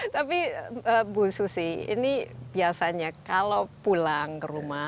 tapi bu susi ini biasanya kalau pulang ke rumah